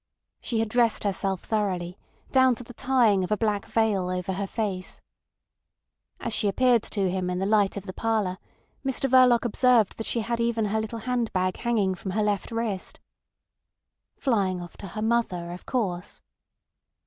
She had dressed herself thoroughly, down to the tying of a black veil over her face. As she appeared before him in the light of the parlour, Mr Verloc observed that she had even her little handbag hanging from her left wrist. ... Flying off to her mother, of course.